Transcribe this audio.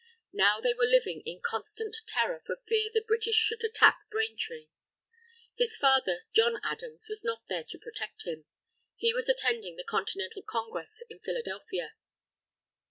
Now they were living in constant terror for fear the British should attack Braintree. His father, John Adams, was not there to protect him. He was attending the Continental Congress in Philadelphia.